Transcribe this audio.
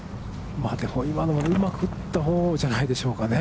今のはうまく打ったほうじゃないでしょうかね。